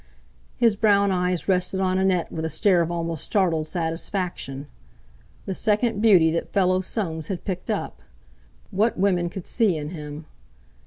His brown eyes rested on Annette with a stare of almost startled satisfaction. The second beauty that fellow Soames had picked up! What women could see in him!